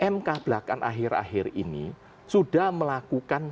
mk belakang akhir akhir ini sudah melakukan